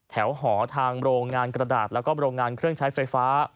หอทางโรงงานกระดาษแล้วก็โรงงานเครื่องใช้ไฟฟ้า